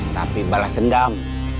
tapi balas dendam